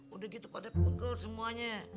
udah gitu pada pegel semuanya